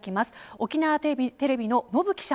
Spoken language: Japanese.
沖縄テレビの延記者